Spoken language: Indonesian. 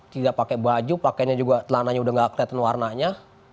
tidak pakai baju pakainya juga telananya udah gak kelihatan warnanya